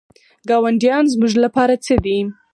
ګاونډیان زموږ لپاره څه دي؟